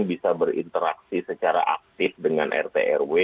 bisa berinteraksi secara aktif dengan rt rw